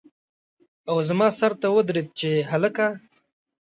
او زما سر ته ودرېد چې هلکه!